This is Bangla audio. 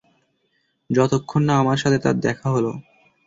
যতক্ষণ না আমার সাথে তার দেখা হল।